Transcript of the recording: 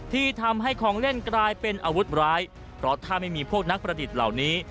ที่ทำให้ของเล่นกลายเป็นอาวุธร้ายเพราะถ้าไม่มีพวกนักประดิษฐ์เหล่านี้